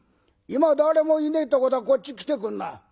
今誰もいねえとこだこっち来てくんな。